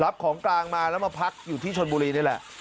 ของกลางมาแล้วมาพักอยู่ที่ชนบุรีนี่แหละ